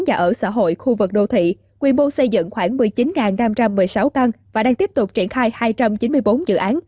nhà ở xã hội khu vực đô thị quy mô xây dựng khoảng một mươi chín năm trăm một mươi sáu căn và đang tiếp tục triển khai hai trăm chín mươi bốn dự án